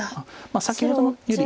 先ほどのより